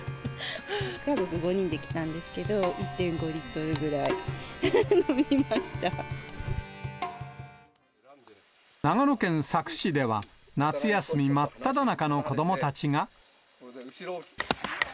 家族５人で来たんですけど、長野県佐久市では、夏休み真っただ中の子どもたちが。